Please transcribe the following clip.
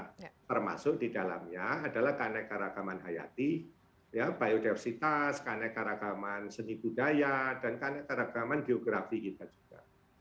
nah yang masuk di dalamnya adalah keanekaragaman hayati ya biodiversitas keanekaragaman seni budaya dan keanekaragaman geografi kita juga